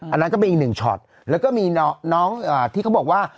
อันนั้นก็เป็นอีกหนึ่งช็อตแล้วก็มีน้องที่เขาบอกว่า